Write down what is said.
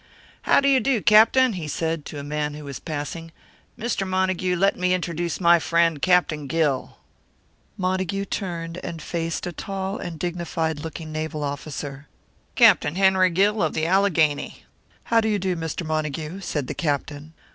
"How do you do, Captain?" he said, to a man who was passing. "Mr. Montague, let me introduce my friend Captain Gill." Montague turned and faced a tall and dignified looking naval officer. "Captain Henry Gill, of the Allegheny." "How do you, Mr. Montague?" said the Captain.